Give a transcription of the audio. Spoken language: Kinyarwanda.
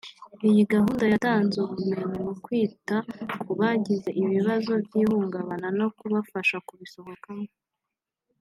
iyi gahunda yatanze ubumenyi mu kwita ku bagize ibibazo b’ihungabana no kubafasha kubisohokamo